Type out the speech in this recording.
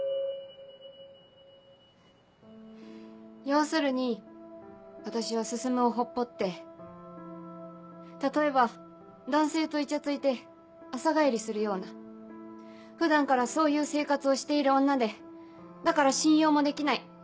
要するに私は進をほっぽって例えば男性とイチャついて朝帰りするような普段からそういう生活をしている女でだから信用もできない。